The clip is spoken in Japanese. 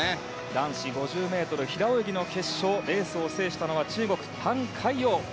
男子５０ｍ平泳ぎの決勝レースを制したのは中国、タン・カイヨウ。